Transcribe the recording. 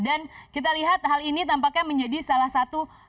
dan kita lihat hal ini tampaknya menjadi salah satu